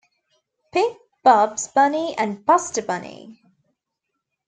Pig, Babs Bunny, and Buster Bunny.